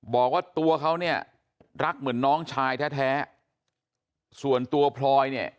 บอกว่าตัวเขาเนี่ยรักเหมือนน้องชายแท้ส่วนตัวพลอยเนี่ย